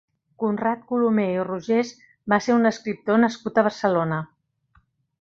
Conrad Colomer i Rogés va ser un escriptor nascut a Barcelona.